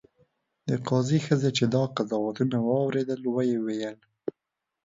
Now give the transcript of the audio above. د قاضي ښځې چې دا قضاوتونه واورېدل ویې ویل.